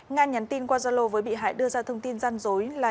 nga nhắn tin qua zalo với bị hại đưa ra thông tin gian dối là